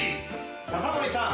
刺森さん